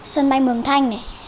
sân bay mường thanh này